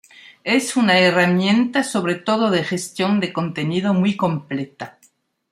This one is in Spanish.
Es una herramienta sobre todo de gestión de contenido muy completa.